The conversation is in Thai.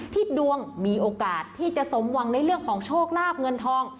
ดวงมีโอกาสที่จะสมหวังในเรื่องของโชคลาบเงินทอง